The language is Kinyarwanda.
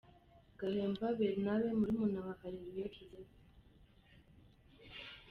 Gahemba Bernabe murumuna wa Areruya Joseph .